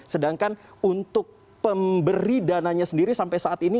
sedangkan untuk pemberi dananya sendiri sampai saat ini